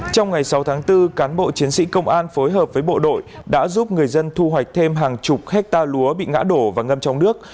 trong ngày sáu tháng bốn cán bộ chiến sĩ công an phối hợp với bộ đội đã giúp người dân thu hoạch thêm hàng chục hectare lúa bị ngã đổ và ngâm trong nước